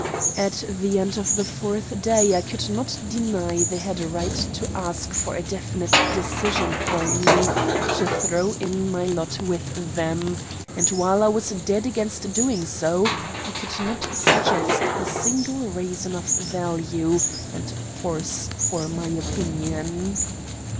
At the end of the fourth day I could not deny they had a right to ask for a definite decision for me to throw in my lot with them, and, while I was dead against doing so, I could not suggest a single reason of value and force for my opinion.